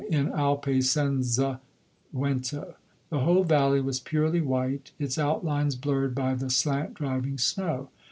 in Alpe senza vento_. The whole valley was purely white, its outlines blurred by the slant driving snow.